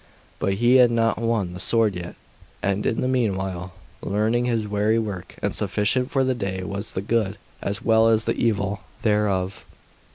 But he had not won the sword yet.; and in the meanwhile, learning was weary work; and sufficient for the day was the good, as well as the evil, thereof.